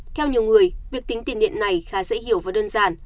theo nhiều người việc tính tiền điện này khá dễ hiểu và đơn giản